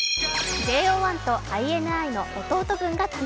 ＪＯ１とＩＮＩの弟分グループが誕生。